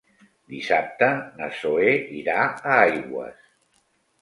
Dissabte na Zoè irà a Aigües.